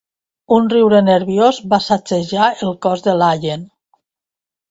Un riure nerviós va sacsejar el cos de l'Allen.